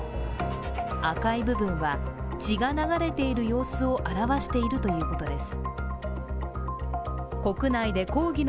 赤い部分は、血が流れている様子を表しているということです。